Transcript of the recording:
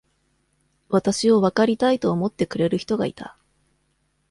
私をわかりたいと思ってくれる人がいた。